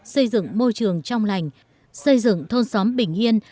xây dựng môi trường trong lành xây dựng thôn xóm bình yên